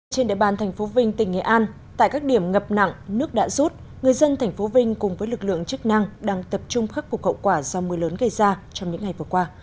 trên địa bàn tp vinh tỉnh nghệ an tại các điểm ngập nặng nước đã rút người dân tp vinh cùng với lực lượng chức năng đang tập trung khắc phục hậu quả do mưa lớn gây ra trong những ngày vừa qua